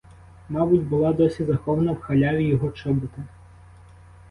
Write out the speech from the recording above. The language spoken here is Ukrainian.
Мабуть, була досі захована в халяві його чобота.